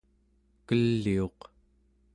keliuq